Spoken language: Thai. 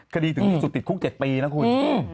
คดีถึงที่สุดติดคุก๗ปีนะคุณ